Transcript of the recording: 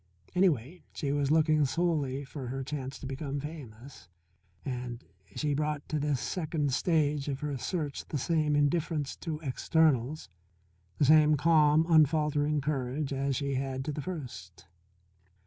Anyway, she was looking solely for her chance to become famous, and she brought to this second stage of her search the same indifference to externals, the same calm, unfaltering courage as she had to the first.